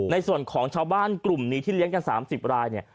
ในส่วนของชาวบ้านกลุ่มนี้ที่เลี้ยงกัน๓๐รายเนี่ย